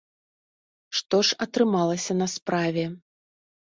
Што ж атрымалася на справе?